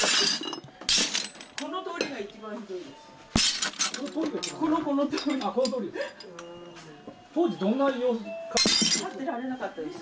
この通りが一番ひどいんです。